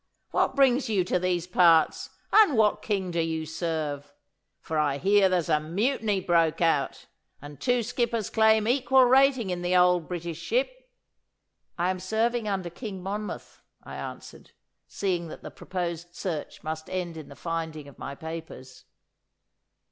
What brings you to these parts, and what king do you serve? for I hear there's a mutiny broke out, and two skippers claim equal rating in the old British ship.' 'I am serving under King Monmouth,' I answered, seeing that the proposed search must end in the finding of my papers.